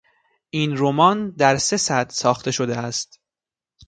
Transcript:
این رمان در سه سطح ساخته شده است.